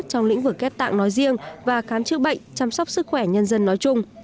trong lĩnh vực ghép tạng nói riêng và khám chữa bệnh chăm sóc sức khỏe nhân dân nói chung